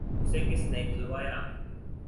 ‘ اسے کس نے کھلوایا؟